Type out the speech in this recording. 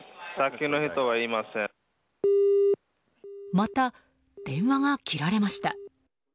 また電話が切られました。